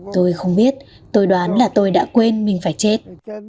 tôi không biết tôi đoán là tôi đã quên mình phải chết